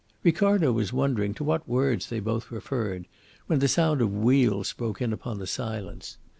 Ricardo was wondering to what words they both referred, when the sound of wheels broke in upon the silence.